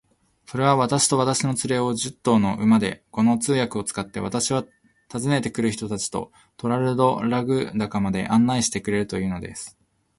それは、私と私の連れを、十頭の馬で、この通訳を使って、私は訪ねて来る人たちとトラルドラグダカまで案内してくれるというのです。